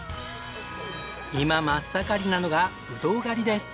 今真っ盛りなのがぶどう狩りです。